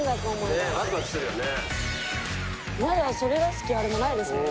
まだそれらしきあれもないですもんね。